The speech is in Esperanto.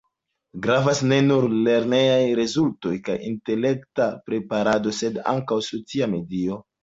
Gravas ne nur lernejaj rezultoj kaj intelekta preparado, sed ankaŭ socia medio.